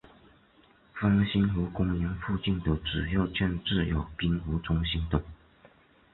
方兴湖公园附近的主要建筑有滨湖中心等。